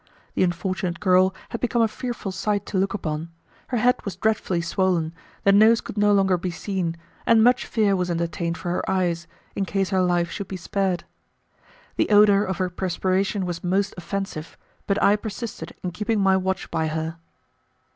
The unfortunate girl had become a fearful sight to look upon; her head was dreadfully swollen, the nose could no longer be seen, and much fear was entertained for her eyes, in case her life should be spared. The odour of her perspiration was most offensive, but I persisted in keeping my watch by her.